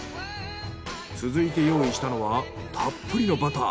続いて用意したのはたっぷりのバター。